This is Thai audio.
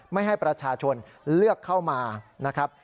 ไม่ให้ประชาชนเลือกเข้ามานะครับ